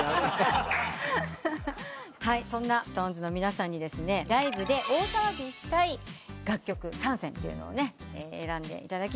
そんなＳｉｘＴＯＮＥＳの皆さんにライブで大騒ぎしたい楽曲３選を選んでいただきました。